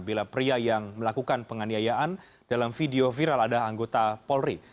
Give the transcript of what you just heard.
bila pria yang melakukan penganiayaan dalam video viral ada anggota polri